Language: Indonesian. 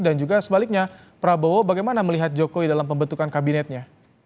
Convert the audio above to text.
dan juga sebaliknya prabowo bagaimana melihat jokowi dalam pembentukan kabinetnya